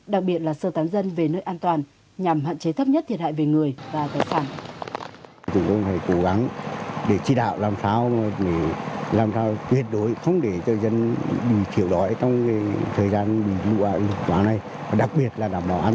đặc biệt là sơ tán dân về nơi an toàn nhằm hạn chế thấp nhất thiệt hại về người và tài sản